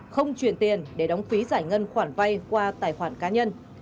không chuyển tiền để đóng phí giải ngân khoản vay qua tài khoản cá nhân